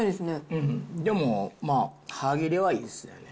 うん、でもまあ、歯切れはいいですよね。